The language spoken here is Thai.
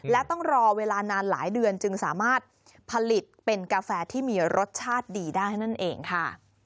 และต้องรอเวลานานหลายเดือนจึงสามารถผลิตเป็นกาแฟที่มีรสชาติดีได้นั่นเองค่ะ